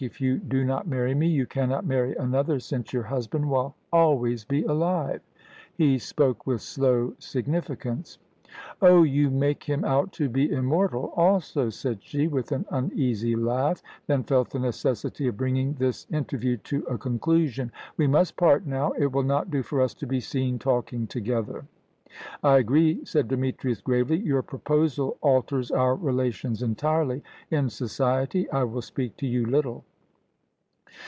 "If you do not marry me, you cannot marry another, since your husband will always be alive." He spoke with slow significance. "Oh, you make him out to be immortal also," said she, with an uneasy laugh; then felt the necessity of bringing this interview to a conclusion. "We must part now. It will not do for us to be seen talking together." "I agree," said Demetrius, gravely; "your proposal alters our relations entirely. In society, I will speak to you little."